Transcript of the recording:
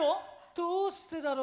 どうしてだろう？